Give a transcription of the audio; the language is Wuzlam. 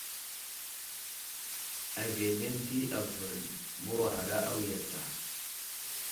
Aviyenene di avər məwara awiya tsa.